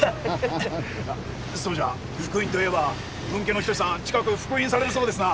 そうじゃ復員といえば分家の一さん近く復員されるそうですな。